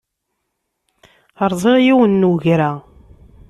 Rẓiɣ yiwen n ugra.